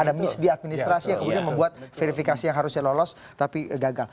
ada misdi administrasi yang kemudian membuat verifikasi yang harusnya lolos tapi gagal